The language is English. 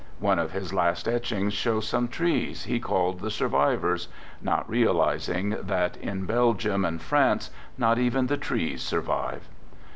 One of his last etchings showing some trees, he called "The Survivors "— not realizing that in Belgium and France not even the trees survive.